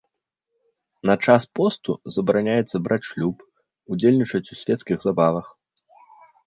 На час посту забараняецца браць шлюб, удзельнічаць у свецкіх забавах.